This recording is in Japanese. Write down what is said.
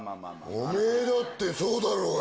おめえだってそうだろうがよ。